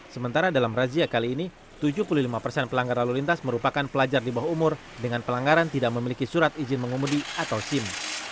sementara dalam razia kali ini tujuh puluh lima persen pelanggar lalu lintas merupakan pelajar di bawah umur dengan pelanggaran tidak memiliki surat izin mengemudi atau sim